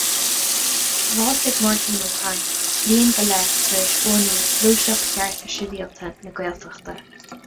Bhásaigh Máirtín Ó Cadhain, bliain go leith tar éis bhunú Ghluaiseacht Chearta Sibhialta na Gaeltachta.